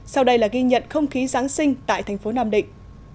sau đây là ghi nhận không khí giáng sinh tại thành phố nam định